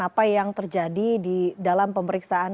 apa yang terjadi di dalam pemeriksaan